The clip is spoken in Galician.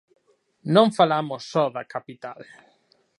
Non falamos só da capital.